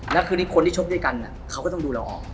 แล้วคืนนี้คนที่ชกด้วยกันเขาก็ต้องดูเราออก